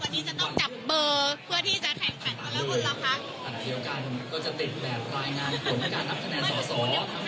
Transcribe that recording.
อันนี้จะต้องจับเบอร์เพื่อที่จะแข่งกันแล้วคุณละครับ